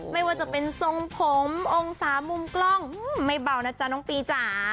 ไม่ว่าจะเป็นทรงผมองศามุมกล้องไม่เบานะจ๊ะน้องปีจ๋า